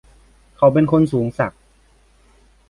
เขาเป็นคนสูงศักดิ์